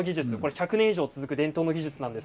１００年以上続く伝統の技術です。